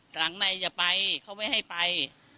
หลังในจะไปเค้าไม่ให้ไป